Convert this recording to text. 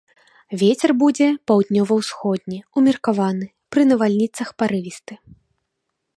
Вецер будзе паўднёва-ўсходні, умеркаваны, пры навальніцах парывісты.